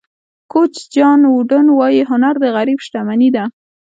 کوچ جان ووډن وایي هنر د غریب شتمني ده.